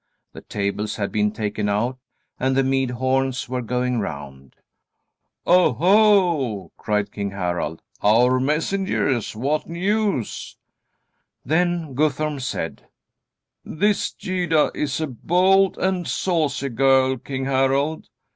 The tables had been taken out, and the mead horns were going round. "Oh, ho!" cried King Harald. "Our messengers! What news?" Then Guthorm said: "This Gyda is a bold and saucy girl, King Harald.